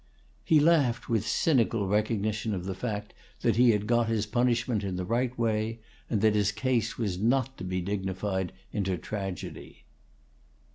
He laughed with cynical recognition of the fact that he had got his punishment in the right way, and that his case was not to be dignified into tragedy.